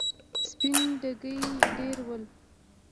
سپين ډکي ډېر ول.